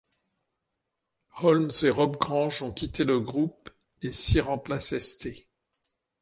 Holmes et Rob Grange ont quitté le groupe et si remplace St.